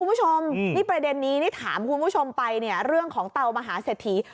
คุณผู้ชมนี่ประเด็นนี้นี่ถามคุณผู้ชมไปเนี่ยเรื่องของเตามหาเศรษฐี